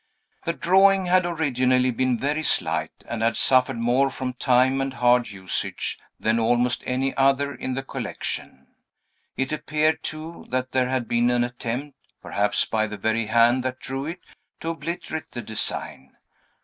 The drawing had originally been very slight, and had suffered more from time and hard usage than almost any other in the collection; it appeared, too, that there had been an attempt (perhaps by the very hand that drew it) to obliterate the design.